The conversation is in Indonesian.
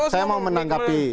saya mau menangkapi